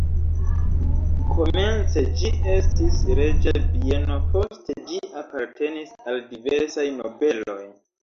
Komence ĝi estis reĝa bieno, poste ĝi apartenis al diversaj nobeloj.